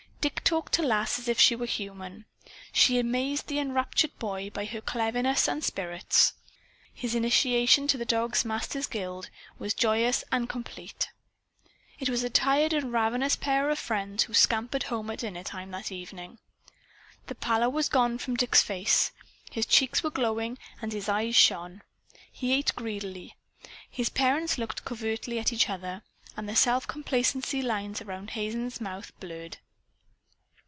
Dick talked to Lass as if she were human. She amazed the enraptured boy by her cleverness and spirits. His initiation to the dog masters' guild was joyous and complete. It was a tired and ravenous pair of friends who scampered home at dinner time that evening. The pallor was gone from Dick's face. His cheeks were glowing, and his eyes shone. He ate greedily. His parents looked covertly at each other. And the self complacency lines around Hazen's mouth blurred.